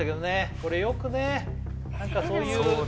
これよくね何かそういうそうだ